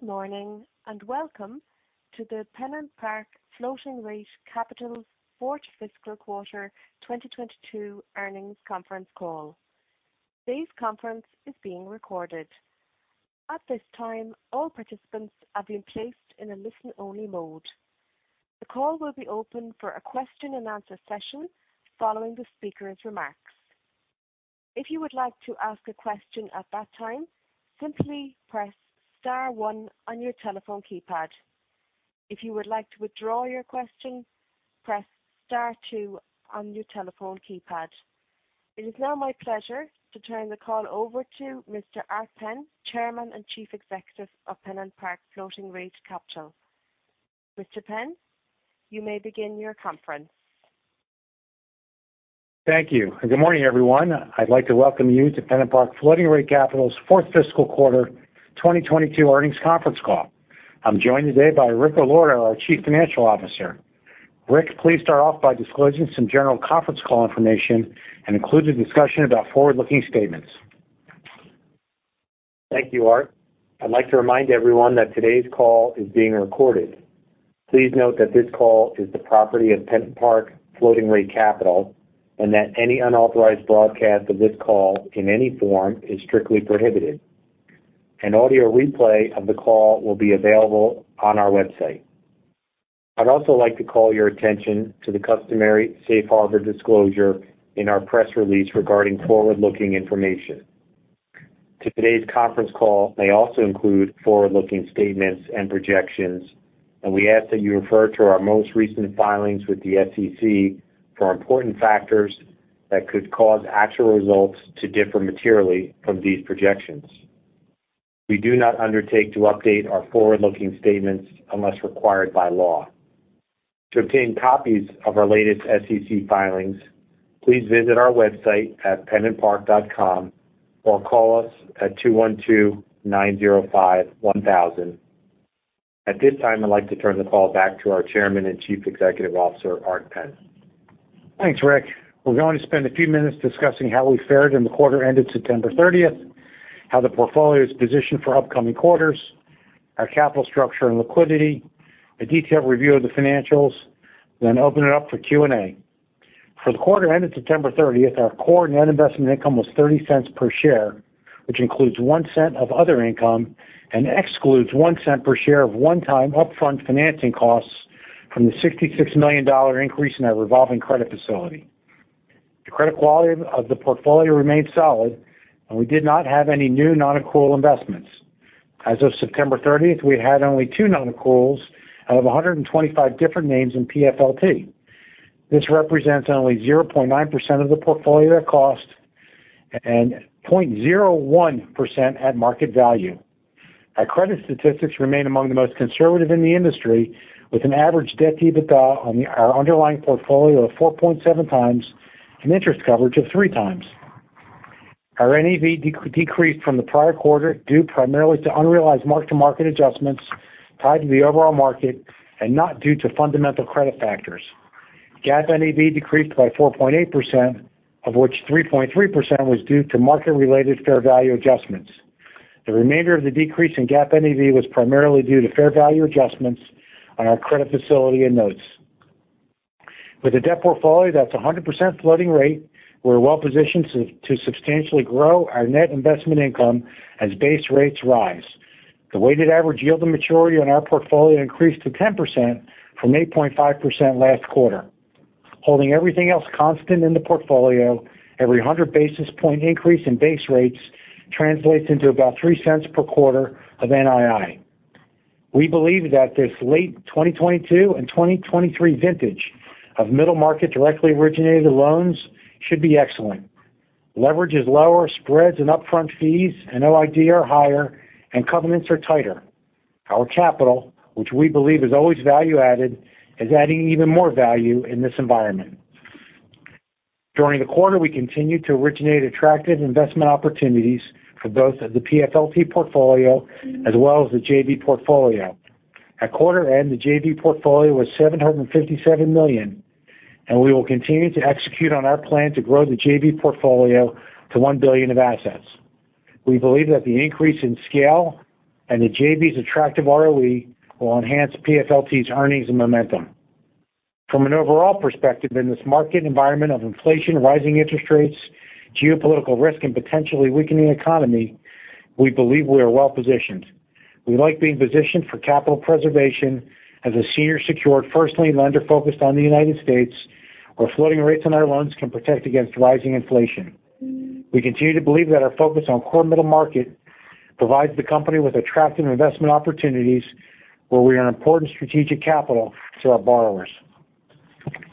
Good morning, and welcome to the PennantPark Floating Rate Capital Fourth Fiscal Quarter 2022 Earnings Conference Call. Today's conference is being recorded. At this time, all participants are being placed in a listen-only mode. The call will be open for a Q&A session following the speaker's remarks. If you would like to ask a question at that time, simply press star one on your telephone keypad. If you would like to withdraw your question, press star two on your telephone keypad. It is now my pleasure to turn the call over to Mr. Art Penn, Chairman and Chief Executive of PennantPark Floating Rate Capital. Mr. Penn, you may begin your conference. Thank you. Good morning, everyone. I'd like to welcome you to PennantPark Floating Rate Capital's Fourth Fiscal Quarter 2022 Earnings Conference Call. I'm joined today by Rick Allorto, our Chief Financial Officer. Rick, please start off by disclosing some general conference call information and include a discussion about forward-looking statements. Thank you, Art. I'd like to remind everyone that today's call is being recorded. Please note that this call is the property of PennantPark Floating Rate Capital and that any unauthorized broadcast of this call in any form is strictly prohibited. An audio replay of the call will be available on our website. I'd also like to call your attention to the customary safe harbor disclosure in our press release regarding forward-looking information. Today's conference call may also include forward-looking statements and projections, and we ask that you refer to our most recent filings with the SEC for important factors that could cause actual results to differ materially from these projections. We do not undertake to update our forward-looking statements unless required by law. To obtain copies of our latest SEC filings, please visit our website at pennantpark.com or call us at 212-905-1000. At this time, I'd like to turn the call back to our Chairman and Chief Executive Officer, Art Penn. Thanks, Rick. We're going to spend a few minutes discussing how we fared in the quarter ended September 30th, how the portfolio is positioned for upcoming quarters, our capital structure and liquidity, a detailed review of the financials, then open it up for Q&A. For the quarter ended September 30th, our core net investment income was $0.30 per share, which includes $0.01 of other income and excludes $0.01 per share of one-time upfront financing costs from the $66 million increase in our revolving credit facility. The credit quality of the portfolio remained solid, and we did not have any new non-accrual investments. As of September 30th, we had only two non-accruals out of 125 different names in PFLT. This represents only 0.9% of the portfolio at cost and 0.01% at market value. Our credit statistics remain among the most conservative in the industry, with an average debt to EBITDA on our underlying portfolio of 4.7x and interest coverage of 3x. Our NAV decreased from the prior quarter due primarily to unrealized mark-to-market adjustments tied to the overall market and not due to fundamental credit factors. GAAP NAV decreased by 4.8%, of which 3.3% was due to market-related fair value adjustments. The remainder of the decrease in GAAP NAV was primarily due to fair value adjustments on our credit facility and notes. With a debt portfolio that's 100% floating rate, we're well-positioned to substantially grow our net investment income as base rates rise. The weighted average yield to maturity on our portfolio increased to 10% from 8.5% last quarter. Holding everything else constant in the portfolio, every 100 basis point increase in base rates translates into about $0.03 per quarter of NII. We believe that this late 2022 and 2023 vintage of middle-market directly originated loans should be excellent. Leverage is lower, spreads and upfront fees and OID are higher, and covenants are tighter. Our capital, which we believe is always value-added, is adding even more value in this environment. During the quarter, we continued to originate attractive investment opportunities for both the PFLT portfolio as well as the JV portfolio. At quarter end, the JV portfolio was $757 million, and we will continue to execute on our plan to grow the JV portfolio to $1 billion of assets. We believe that the increase in scale and the JV's attractive ROE will enhance PFLT's earnings and momentum. From an overall perspective in this market environment of inflation, rising interest rates, geopolitical risk, and potentially weakening economy, we believe we are well-positioned. We like being positioned for capital preservation as a senior secured first lien lender focused on the United States, where floating rates on our loans can protect against rising inflation. We continue to believe that our focus on core middle-market provides the company with attractive investment opportunities where we are an important strategic capital to our borrowers.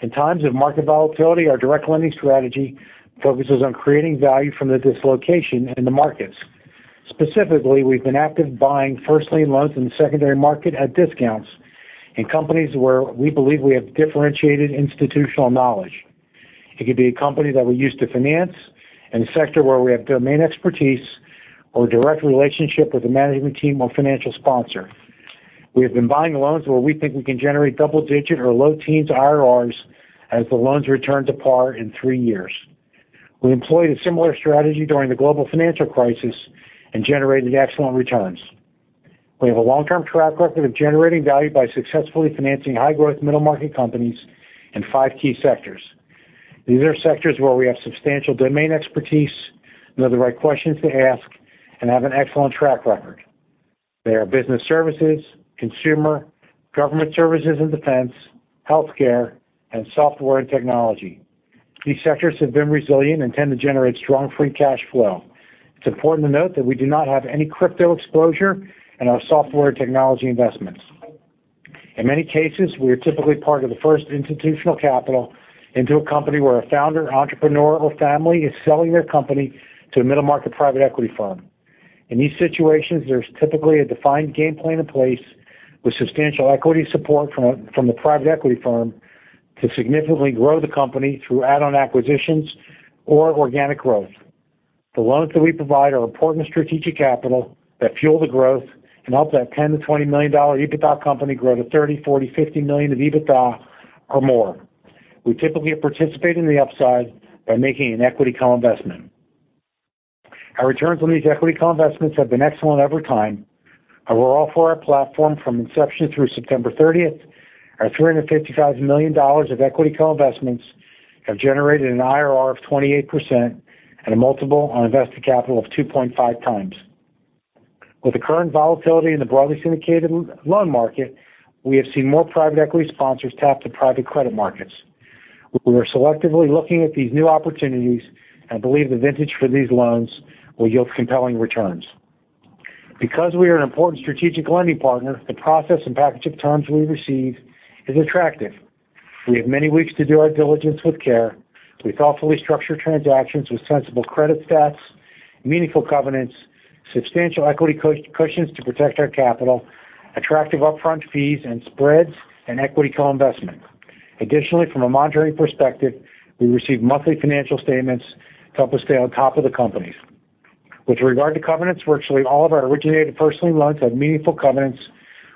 In times of market volatility, our direct lending strategy focuses on creating value from the dislocation in the markets. Specifically, we've been active buying first lien loans in the secondary market at discounts in companies where we believe we have differentiated institutional knowledge. It could be a company that we used to finance, in a sector where we have domain expertise or a direct relationship with the management team or financial sponsor. We have been buying loans where we think we can generate double-digit or low teens IRRs as the loans return to par in three years. We employed a similar strategy during the global financial crisis and generated excellent returns. We have a long-term track record of generating value by successfully financing high-growth middle-market companies in five key sectors. These are sectors where we have substantial domain expertise, know the right questions to ask, and have an excellent track record. They are business services, consumer, government services and defense, healthcare, and software and technology. These sectors have been resilient and tend to generate strong free cash flow. It's important to note that we do not have any crypto exposure in our software technology investments. In many cases, we are typically part of the first institutional capital into a company where a founder, entrepreneur or family is selling their company to a middle-market private equity firm. In these situations, there's typically a defined game plan in place with substantial equity support from the private equity firm to significantly grow the company through add-on acquisitions or organic growth. The loans that we provide are important strategic capital that fuel the growth and help that 10-20 million-dollar EBITDA company grow to $30, $40, $50 million of EBITDA or more. We typically participate in the upside by making an equity co-investment. Our returns on these equity co-investments have been excellent over time. Our overall for our platform from inception through September 30th, our $355 million of equity co-investments have generated an IRR of 28% and a multiple on invested capital of 2.5x. With the current volatility in the broadly syndicated loan market, we have seen more private equity sponsors tap to private credit markets. We are selectively looking at these new opportunities and believe the vintage for these loans will yield compelling returns. Because we are an important strategic lending partner, the process and package of terms we receive is attractive. We have many weeks to do our diligence with care. We thoughtfully structure transactions with sensible credit stats, meaningful covenants, substantial equity cushions to protect our capital, attractive upfront fees and spreads and equity co-investment. Additionally, from a monitoring perspective, we receive monthly financial statements to help us stay on top of the companies. With regard to covenants, virtually all of our originated proprietary loans have meaningful covenants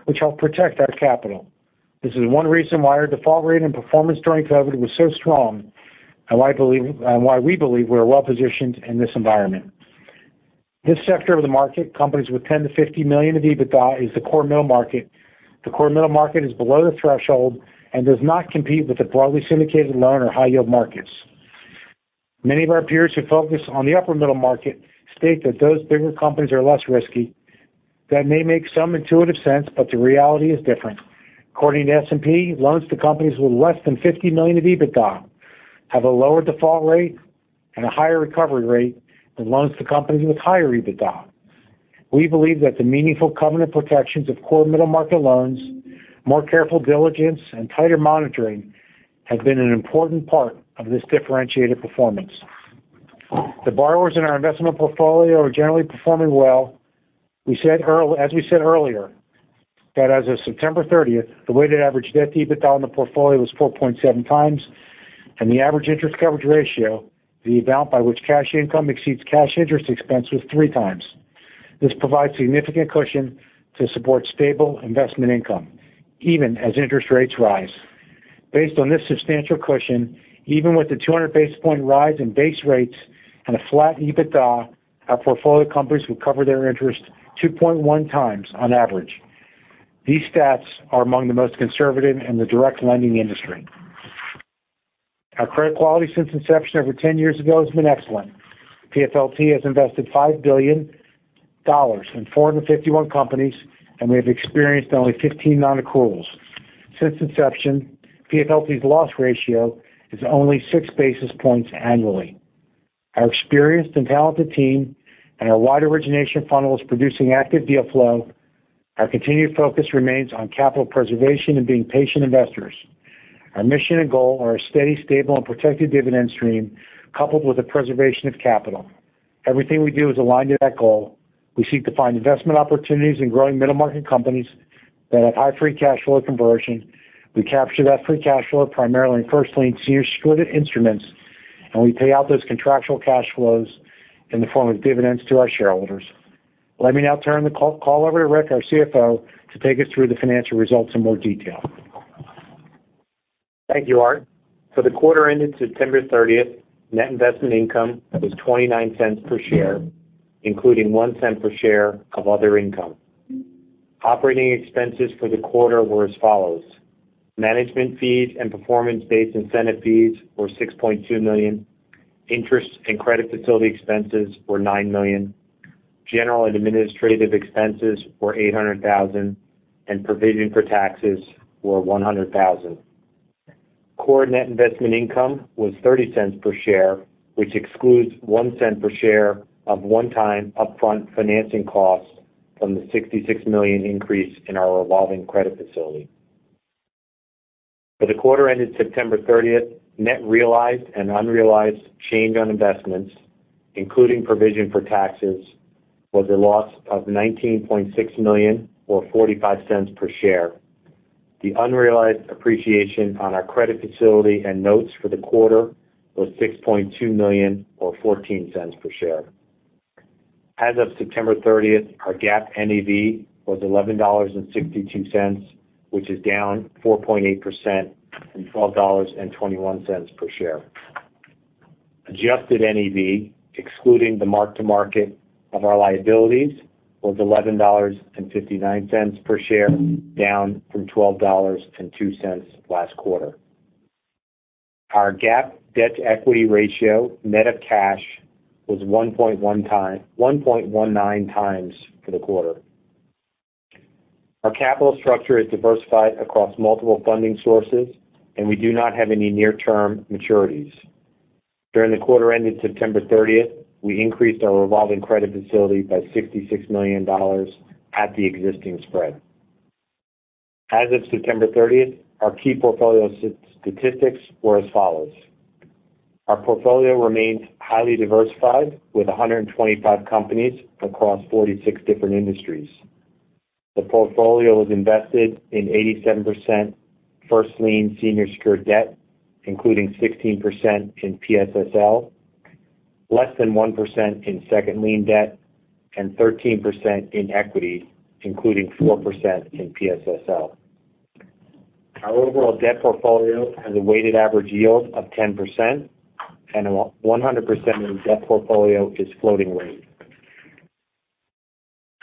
which help protect our capital. This is one reason why our default rate and performance during COVID was so strong and why we believe we're well positioned in this environment. This sector of the market, companies with $10 million-$50 million of EBITDA, is the core middle market. The core middle market is below the threshold and does not compete with the broadly syndicated loan or high yield markets. Many of our peers who focus on the upper middle market state that those bigger companies are less risky. That may make some intuitive sense, but the reality is different. According to S&P, loans to companies with less than $50 million of EBITDA have a lower default rate and a higher recovery rate than loans to companies with higher EBITDA. We believe that the meaningful covenant protections of core middle-market loans, more careful diligence and tighter monitoring have been an important part of this differentiated performance. The borrowers in our investment portfolio are generally performing well. As we said earlier, that as of September 30th, the weighted average debt-to-EBITDA in the portfolio was 4.7x, and the average interest coverage ratio, the amount by which cash income exceeds cash interest expense, was 3x. This provides significant cushion to support stable investment income even as interest rates rise. Based on this substantial cushion, even with the 200 basis point rise in base rates and a flat EBITDA, our portfolio companies will cover their interest 2.1 times on average. These stats are among the most conservative in the direct lending industry. Our credit quality since inception over 10 years ago has been excellent. PFLT has invested $5 billion in 451 companies, and we have experienced only 15 non-accruals. Since inception, PFLT's loss ratio is only six basis points annually. Our experienced and talented team and our wide origination funnel is producing active deal flow. Our continued focus remains on capital preservation and being patient investors. Our mission and goal are a steady, stable and protected dividend stream coupled with the preservation of capital. Everything we do is aligned to that goal. We seek to find investment opportunities in growing middle market companies that have high free cash flow conversion. We capture that free cash flow primarily in first lien senior secured instruments, and we pay out those contractual cash flows in the form of dividends to our shareholders. Let me now turn the call over to Rick, our CFO, to take us through the financial results in more detail. Thank you, Art. For the quarter ended September 30th, net investment income was $0.29 per share, including $0.01 per share of other income. Operating expenses for the quarter were as follows. Management fees and performance-based incentive fees were $6.2 million, interest and credit facility expenses were $9 million, general and administrative expenses were $800,000, and provision for taxes were $100,000. Core net investment income was $0.30 per share, which excludes $0.01 per share of one-time upfront financing costs from the $66 million increase in our revolving credit facility. For the quarter ended September 30th, net realized and unrealized change on investments, including provision for taxes, was a loss of $19.6 million or $0.45 per share. The unrealized appreciation on our credit facility and notes for the quarter was $6.2 million or $0.14 per share. As of September 30th, our GAAP NAV was $11.62, which is down 4.8% from $12.21 per share. Adjusted NAV, excluding the mark-to-market of our liabilities, was $11.59 per share, down from $12.02 last quarter. Our GAAP debt-to-equity ratio, net of cash, was 1.19x for the quarter. Our capital structure is diversified across multiple funding sources, and we do not have any near-term maturities. During the quarter ended September 30th, we increased our revolving credit facility by $66 million at the existing spread. As of September 30th, our key portfolio statistics were as follows; our portfolio remains highly diversified with 125 companies across 46 different industries. The portfolio is invested in 87% first lien senior secured debt, including 16% in PSSL, less than 1% in second lien debt, and 13% in equity, including 4% in PSSL. Our overall debt portfolio has a weighted average yield of 10%, and 100% of the debt portfolio is floating rate.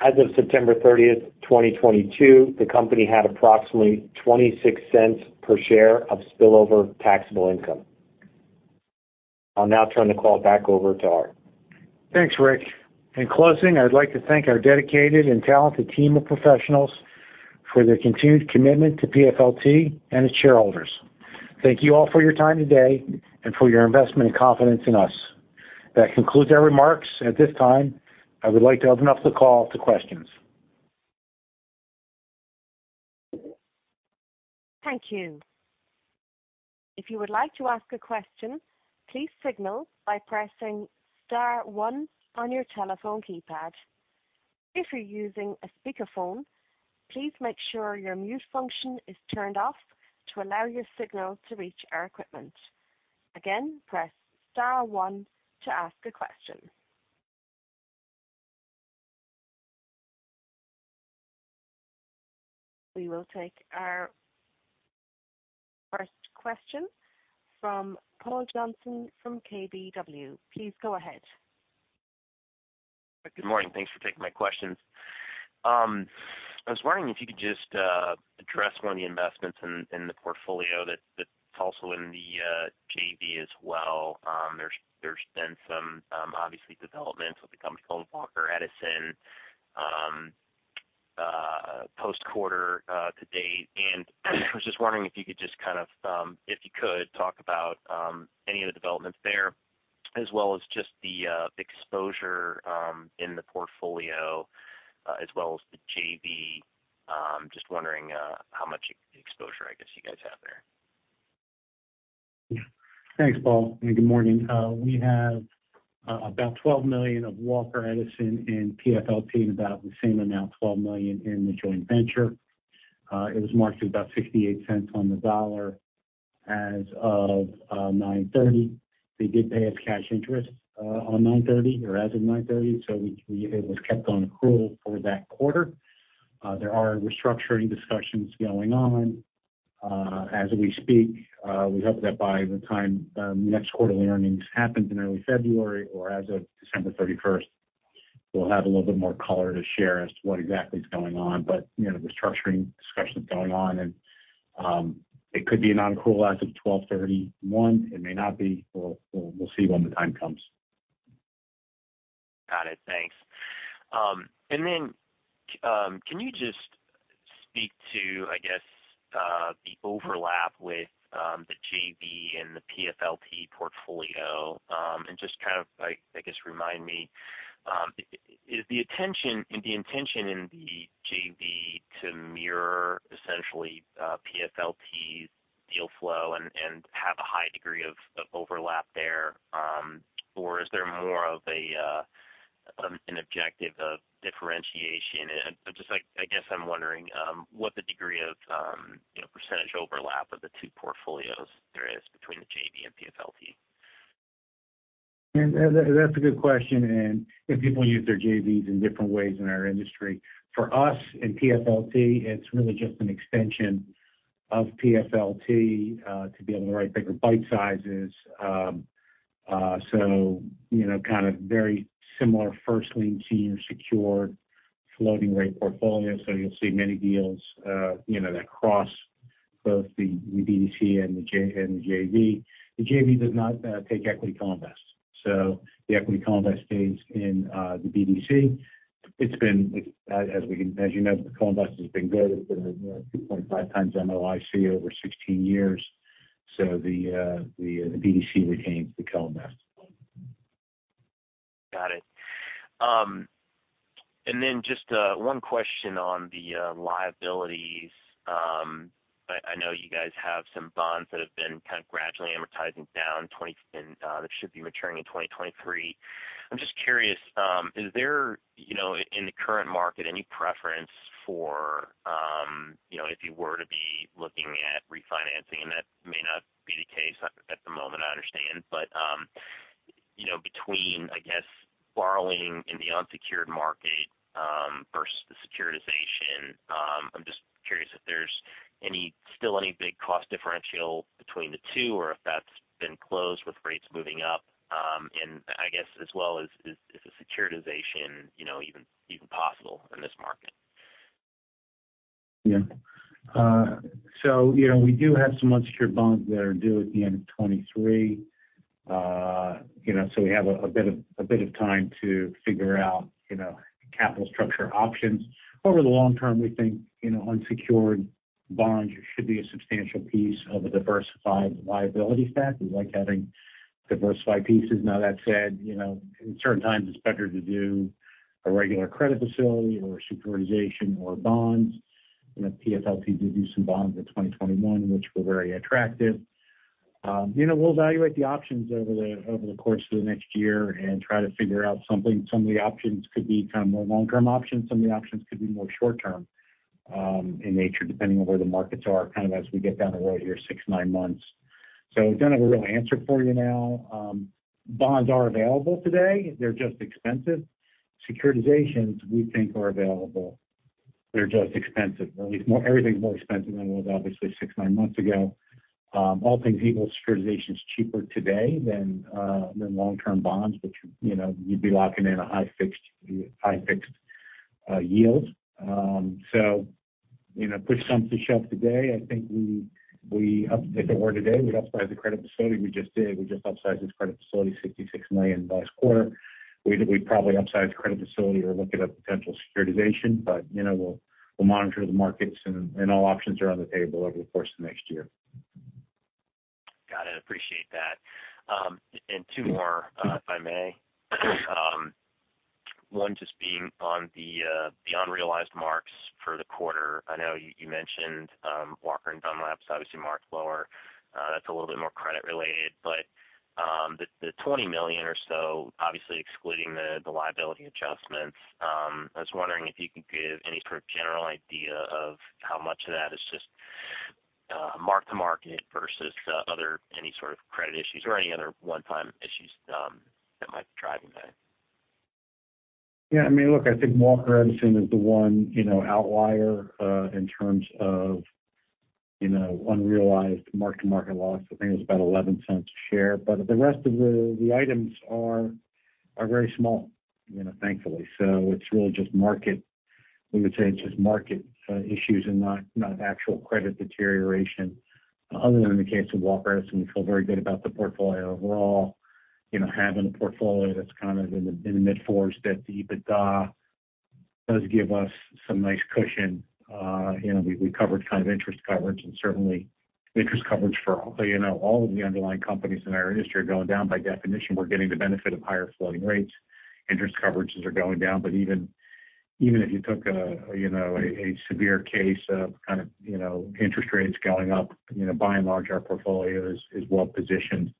As of September 30th, 2022, the company had approximately $0.26 per share of spillover taxable income. I'll now turn the call back over to Art. Thanks, Rick. In closing, I'd like to thank our dedicated and talented team of professionals for their continued commitment to PFLT and its shareholders. Thank you all for your time today and for your investment and confidence in us. That concludes our remarks. At this time, I would like to open up the call to questions. Thank you. If you would like to ask a question, please signal by pressing star one on your telephone keypad. If you're using a speakerphone, please make sure your mute function is turned off to allow your signal to reach our equipment. Again, press star one to ask a question. We will take our first question from Paul Johnson from KBW. Please go ahead. Good morning. Thanks for taking my questions. I was wondering if you could just address one of the investments in the portfolio that's also in the JV as well. There's been some obviously developments with a company called Walker Edison post-quarter to date. I was just wondering if you could talk about any of the developments there as well as just the exposure in the portfolio as well as the JV Just wondering how much exposure I guess you guys have there? Thanks, Paul, and good morning. We have about $12 million of Walker Edison in PFLT and about the same amount, $12 million, in the joint venture. It was marked at about $0.68 on the dollar as of 9/30. They did pay us cash interest on 9/30 or as of 9/30, so it was kept on accrual for that quarter. There are restructuring discussions going on as we speak. We hope that by the time next quarterly earnings happens in early February or as of December 31st, we'll have a little bit more color to share as to what exactly is going on. You know, the restructuring discussions going on and it could be a non-accrual as of 12/31. It may not be. We'll see when the time comes. Got it. Thanks. Can you just speak to, I guess, the overlap with the JV and the PFLT portfolio, and just kind of like, I guess, remind me, is the intention in the JV to mirror essentially PFLT's deal flow and have a high degree of overlap there? Is there more of an objective of differentiation? I guess I'm wondering what the degree of, you know, percentage overlap of the two portfolios there is between the JV and PFLT. That's a good question, and people use their JVs in different ways in our industry. For us in PFLT, it's really just an extension of PFLT to be able to write bigger bite sizes. You know, kind of very similar first lien senior secured floating rate portfolio. You'll see many deals, you know, that cross both the BDC and the JV. The JV does not take equity co-invest. The equity co-invest stays in the BDC. It's been, as you know, the co-invest has been good. It's been, you know, 2.5x MOIC over 16 years. The BDC retains the co-invest. Got it. Just one question on the liabilities. I know you guys have some bonds that have been kind of gradually amortizing down and that should be maturing in 2023. I'm just curious, is there, you know, in the current market, any preference for, you know- if you were to be looking at refinancing, and that may not be the case at the moment, I understand- you know, between borrowing in the unsecured market versus the securitization. I'm just curious if there's still any big cost differential between the two or if that's been closed with rates moving up. I guess as well as, is the securitization, you know, even possible in this market? Yeah, you know, we do have some unsecured bonds that are due at the end of 2023. You know, we have a bit of time to figure out, you know, capital structure options. Over the long term, we think, you know, unsecured bonds should be a substantial piece of a diversified liability stack. We like having diversified pieces. Now, that said, you know, in certain times it's better to do a regular credit facility or a securitization or bonds. You know, PSSL did do some bonds in 2021 which were very attractive. You know, we'll evaluate the options over the course of the next year and try to figure out something. Some of the options could be kind of more long-term options, some of the options could be more short-term in nature, depending on where the markets are kind of as we get down the road here six months-nine months. I don't have a real answer for you now. Bonds are available today, they're just expensive. Securitizations, we think are available, they're just expensive. Everything's more expensive than it was obviously six months-nine months ago. All things equal, securitization is cheaper today than long-term bonds, which, you know, you'd be locking in a high fixed yield. Push comes to shove today, I think if it were today, we'd upsize the credit facility. We just did. We just upsized this credit facility $66 million last quarter. We'd probably upsize the credit facility or look at a potential securitization. You know, we'll monitor the markets and all options are on the table over the course of next year. Got it. Appreciate that. Two more if I may. One just being on the unrealized marks for the quarter. I know you mentioned Walker & Dunlop's obviously marked lower. That's a little bit more credit-related. The $20 million or so, obviously excluding the liability adjustments, I was wondering if you could give any sort of general idea of how much of that is just mark-to-market versus other any sort of credit issues or any other one-time issues that might be driving that. Yeah. I mean, look, I think Walker Edison is the one, you know, outlier in terms of, you know, unrealized mark-to-market loss. I think it was about $0.11 a share. The rest of the items are very small, you know, thankfully. We would say it's just market issues and not actual credit deterioration other than in the case of Walker Edison. We feel very good about the portfolio overall. You know, having a portfolio that's kind of in the mid-fours debt-to-EBITDA does give us some nice cushion. You know, we covered kind of interest coverage and certainly interest coverage for, you know, all of the underlying companies in our industry are going down. By definition, we're getting the benefit of higher floating rates. Interest coverages are going down. Even if you took, you know, a severe case of kind of, you know, interest rates going up, you know, by and large, our portfolio is well positioned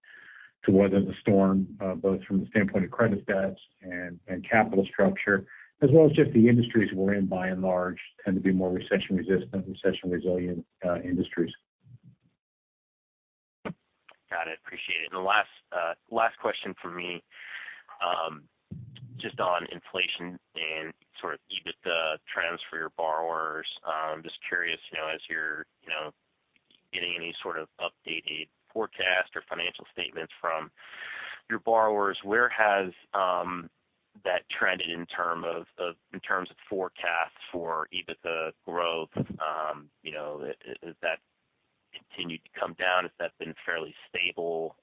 to weather the storm, both from the standpoint of credit stats and capital structure, as well as just the industries we're in, by and large, tend to be more recession resistant, recession resilient industries. Got it. Appreciate it. The last question from me, just on inflation and sort of EBITDA trends for your borrowers. Just curious, you know, as you're, you know, getting any sort of updated forecast or financial statements from your borrowers, where has that trended in terms of forecasts for EBITDA growth? You know, has that continued to come down? Has that been fairly stable?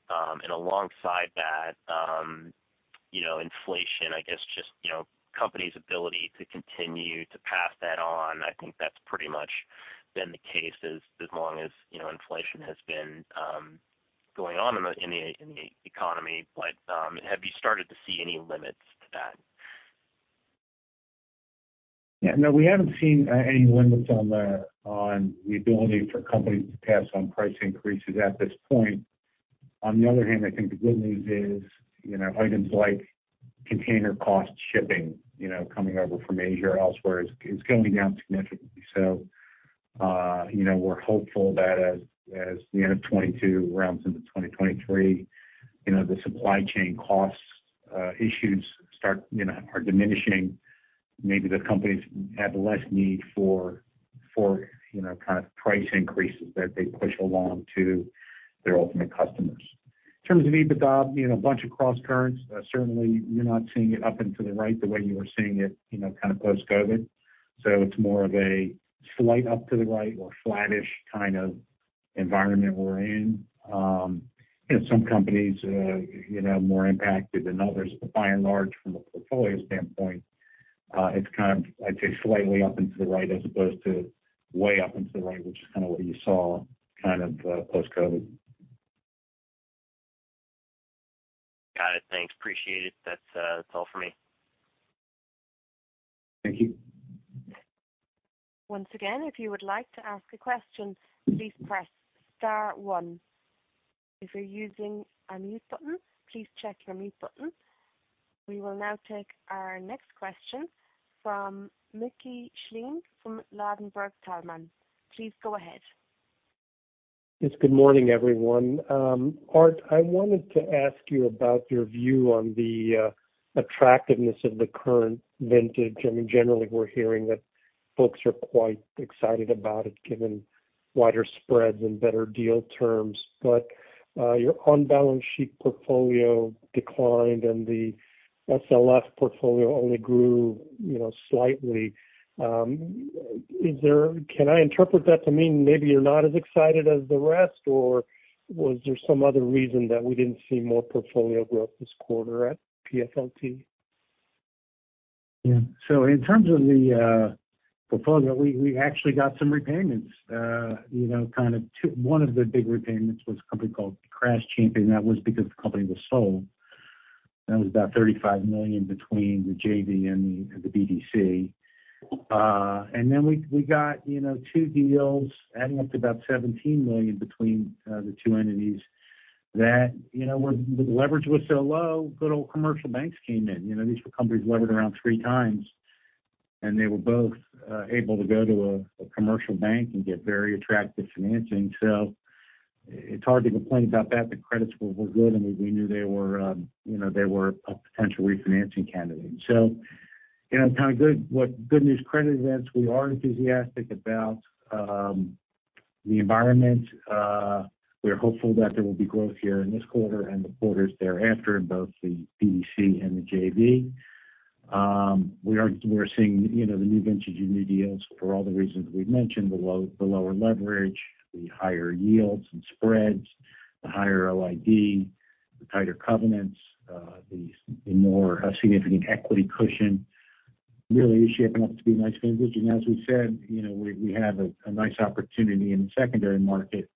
Alongside that, you know, inflation, I guess just, you know, company's ability to continue to pass that on. I think that's pretty much been the case as long as, you know, inflation has been going on in the economy. Have you started to see any limits to that? Yeah. No, we haven't seen any limits on the ability for companies to pass on price increases at this point. On the other hand, I think the good news is, you know, items like container cost shipping, you know, coming over from Asia or elsewhere is going down significantly. You know, we're hopeful that as the end of 2022 rounds into 2023, you know, the supply chain costs issues, you know, are diminishing. Maybe the companies have less need for, you know, kind of price increases that they push along to their ultimate customers. In terms of EBITDA, you know, a bunch of crosscurrents. Certainly you're not seeing it up and to the right the way you were seeing it, you know, kind of post-COVID. It's more of a slight up to the right or flattish kind of environment we're in. You know, some companies, you know, more impacted than others. By and large from a portfolio standpoint, it's kind of, I'd say slightly up into the right as opposed to way up into the right, which is kind of what you saw kind of post-COVID. Got it. Thanks. Appreciate it. That's all for me. Thank you. Once again, if you would like to ask a question, please press star one. If you're using a mute button, please check your mute button. We will now take our next question from Mickey Schleien from Ladenburg Thalmann. Please go ahead. Yes. Good morning, everyone. Art, I wanted to ask you about your view on the attractiveness of the current vintage. I mean, generally, we're hearing that folks are quite excited about it, given wider spreads and better deal terms. Your on-balance sheet portfolio declined and the SLF portfolio only grew, you know, slightly. Can I interpret that to mean maybe you're not as excited as the rest, or was there some other reason that we didn't see more portfolio growth this quarter at PFLT? Yeah. In terms of the portfolio, we actually got some repayments. You know, kind of two. One of the big repayments was a company called Crash Champions. That was because the company was sold. That was about $35 million between the JV and the BDC. We got, you know, two deals adding up to about $17 million between the two entities, you know, where the leverage was so low, good old commercial banks came in. You know, these were companies levered around 3x. They were both able to go to a commercial bank and get very attractive financing. It's hard to complain about that. The credits were good, and we knew they were, you know, a potential refinancing candidate. You know, kind of good, what good news credit events we are enthusiastic about, the environment. We are hopeful that there will be growth here in this quarter and the quarters thereafter in both the BDC and the JV. We're seeing, you know, the new vintage and new deals for all the reasons we've mentioned, the lower leverage, the higher yields and spreads, the higher OID, the tighter covenants, the more significant equity cushion really is shaping up to be a nice vintage. As we said, you know, we have a nice opportunity in the secondary market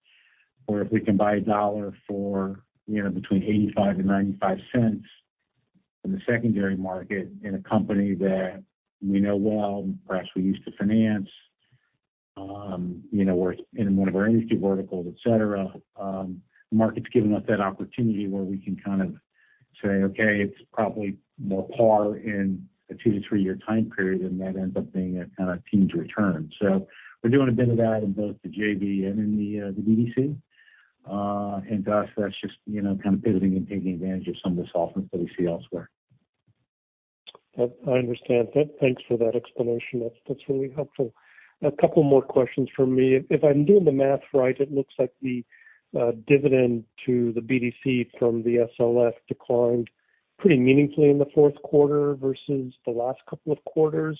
where if we can buy $1 for, you know, between $0.85 and $0.95 in the secondary market in a company that we know well, perhaps we used to finance, you know, we're in one of our industry verticals, et cetera. Market's given us that opportunity where we can kind of say, "Okay, it's probably more par in a 2-3-year time period," and that ends up being a kind of teens return. We're doing a bit of that in both the JV and in the BDC. To us, that's just, you know, kind of pivoting and taking advantage of some of the softness that we see elsewhere. Yep. I understand that. Thanks for that explanation. That's really helpful. A couple more questions from me. If I'm doing the math right, it looks like the dividend to the BDC from the PSSL declined pretty meaningfully in the fourth quarter versus the last couple of quarters.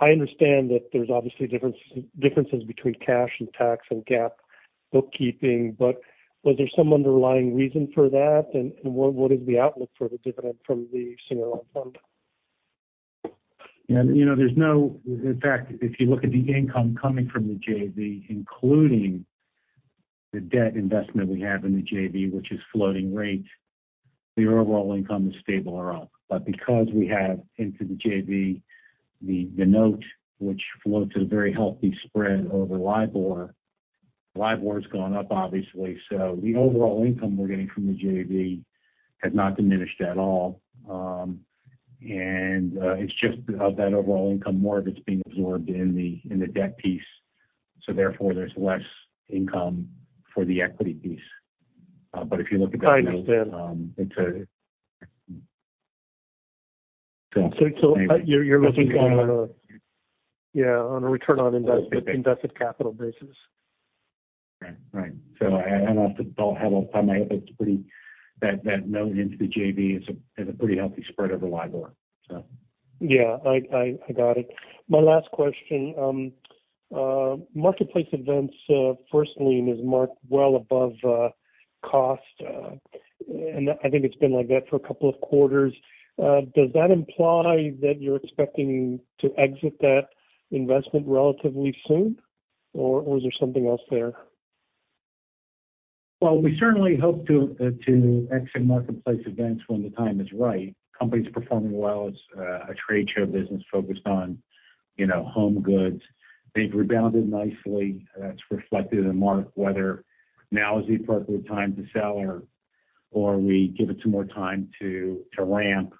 I understand that there's obviously differences between cash and tax and GAAP bookkeeping. Was there some underlying reason for that? What is the outlook for the dividend from the senior loan fund? Yeah. You know, in fact, if you look at the income coming from the JV, including the debt investment we have in the JV, which is floating rate, the overall income is stable or up. Because we have into the JV the note which floats at a very healthy spread over LIBOR's gone up obviously. The overall income we're getting from the JV has not diminished at all. It's just of that overall income, more of it's being absorbed in the debt piece, so therefore there's less income for the equity piece. Yeah, on a return on investment, invested capital basis. Right. Right. I also don't have a time. I hope it's pretty. That note into the JV is a pretty healthy spread over LIBOR. Yeah. I got it. My last question. Marketplace advance first lien is marked well above cost. I think it's been like that for a couple of quarters. Does that imply that you're expecting to exit that investment relatively soon, or is there something else there? Well, we certainly hope to exit Marketplace Events when the time is right. Company's performing well. It's a trade show business focused on, you know, home goods. They've rebounded nicely. That's reflected in the mark. Whether now is the appropriate time to sell or we give it some more time to ramp,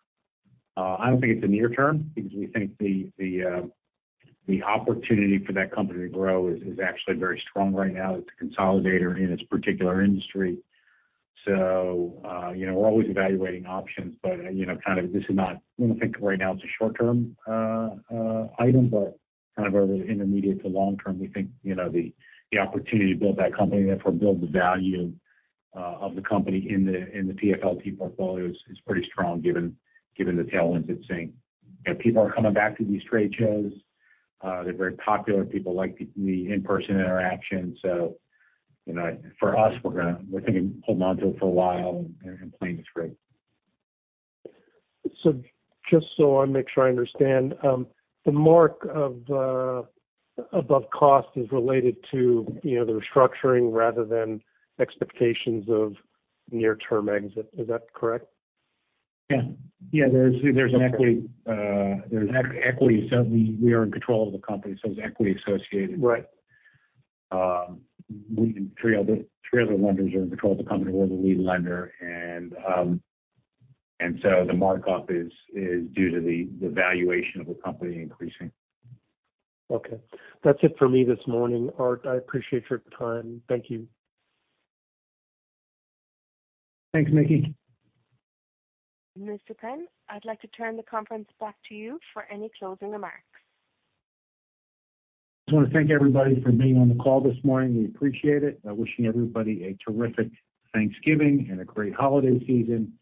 I don't think it's a near term because we think the opportunity for that company to grow is actually very strong right now. It's a consolidator in its particular industry. You know, we're always evaluating options. We don't think right now it's a short-term item, but kind of our intermediate to long term, we think, you know, the opportunity to build that company, therefore build the value of the company in the PFLT portfolio is pretty strong given the tailwinds it's seeing. You know, people are coming back to these trade shows. They're very popular. People like the in-person interaction. You know, for us, we're thinking holding on to it for a while and playing it straight. Just so I make sure I understand, the mark of above cost is related to, you know, the restructuring rather than expectations of near-term exit. Is that correct? Yeah. Yeah. There's equity- we are in control of the company, so it's equity associated. Right. We and three other lenders are in control of the company. We're the lead lender. The mark-up is due to the valuation of the company increasing. Okay. That's it for me this morning, Art. I appreciate your time. Thank you. Thanks, Mickey. Mr. Penn, I'd like to turn the conference back to you for any closing remarks. Just wanna thank everybody for being on the call this morning. We appreciate it. Wishing everybody a terrific Thanksgiving and a great holiday season,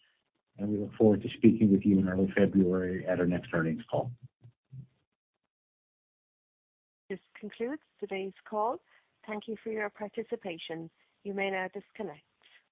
and we look forward to speaking with you in early February at our next earnings call. This concludes today's call. Thank you for your participation. You may now disconnect.